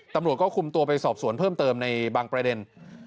ตำรวจก็คุมตัวไปสอบสวนเพิ่มเติมในบางประเด็น